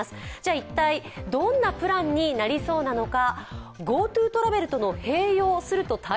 一体どんなプランになりそうなのか。